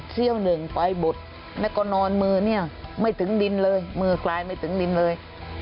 วหนึ่งไฟบดแล้วก็นอนมือเนี่ยไม่ถึงดินเลยมือกลายไม่ถึงดินเลย